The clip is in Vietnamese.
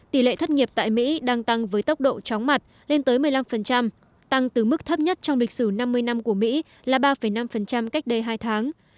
tỷ lệ thất nghiệp tại mỹ đang tăng với tốc độ chóng mặt lên tới một mươi năm tăng từ mức thấp nhất trong lịch sử năm mươi năm của mỹ là ba năm cách đây hai tháng